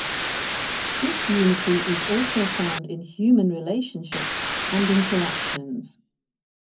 This unity is also found in human relationships and interactions.